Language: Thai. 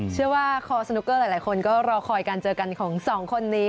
เชื่อว่าคอสนุกเกอร์หลายคนก็รอคอยการเจอกันของสองคนนี้